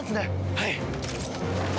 はい！